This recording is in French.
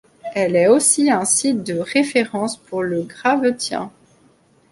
Elle est aussi un site de référence pour le Gravettien.